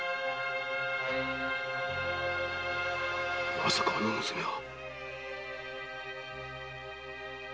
まさかあの娘は。